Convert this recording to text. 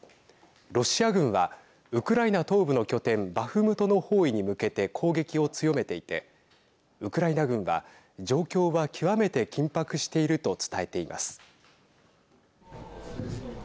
ロシア軍はウクライナ東部の拠点バフムトの包囲に向けて攻撃を強めていてウクライナ軍は状況は極めて緊迫していると伝えています。